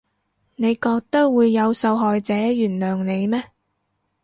你覺得會有受害者原諒你咩？